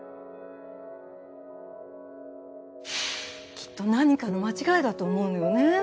きっと何かの間違いだと思うのよね。